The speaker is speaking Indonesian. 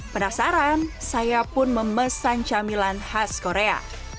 penasaran saya pun memesan camilan khas korea